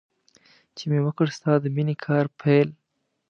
چې مې وکړ ستا د مینې کار پیل.